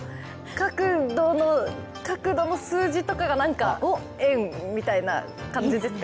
角度の数字とかが何か縁みたいな感じですか。